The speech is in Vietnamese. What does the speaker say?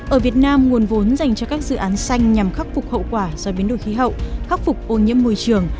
ở việt nam nguồn vốn dành cho các dự án xanh nhằm khắc phục hậu quả do biến đổi khí hậu khắc phục ô nhiễm môi trường